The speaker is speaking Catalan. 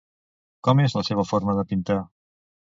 Com és la seva forma de pintar?